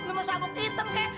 mau sabuk hitam kek